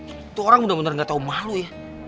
itu orang bener bener gak tau malu ya